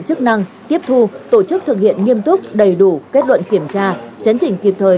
chức năng tiếp thu tổ chức thực hiện nghiêm túc đầy đủ kết luận kiểm tra chấn chỉnh kịp thời